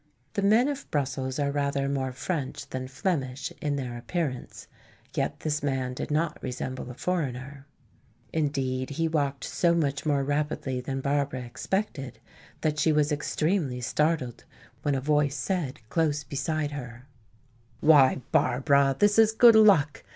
The men of Brussels are rather more French than Flemish in their appearance, yet this man did not resemble a foreigner. Indeed, he walked so much more rapidly than Barbara expected that she was extremely startled when a voice said close beside her: "Why, Barbara, this is good luck.